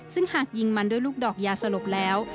ซึ่งหากยิงมันด้วยลูกดอกยาสลบแล้ว